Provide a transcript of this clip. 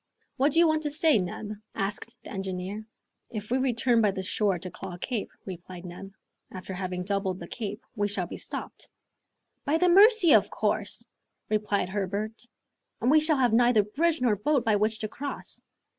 "What do you want to say, Neb?" asked the engineer. "If we return by the shore to Claw Cape," replied Neb, "after having doubled the Cape, we shall be stopped " "By the Mercy! of course," replied Herbert, "and we shall have neither bridge nor boat by which to cross."